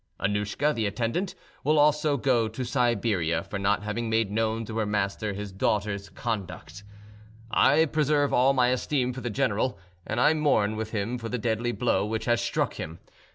"Annouschka, the attendant, will also go to Siberia for not having made known to her master his daughter's conduct. "I preserve all my esteem for the general, and I mourn with him for the deadly blow which has struck him.